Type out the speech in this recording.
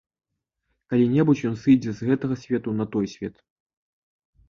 Калі-небудзь ён сыдзе з гэтага свету на той свет.